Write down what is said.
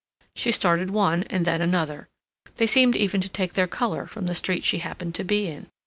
She started one and then another. They seemed even to take their color from the street she happened to be in.